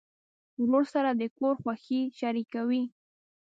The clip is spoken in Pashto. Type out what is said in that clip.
ورور سره د کور خوښۍ شریکوي.